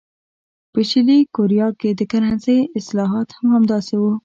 په شلي کوریا کې د کرنسۍ اصلاحات هم همداسې وو.